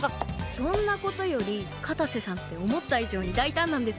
そんな事より片瀬さんって思った以上に大胆なんですね。